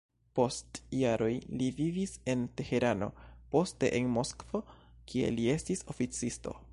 Post jaroj li vivis en Teherano, poste en Moskvo, kie li estis oficisto.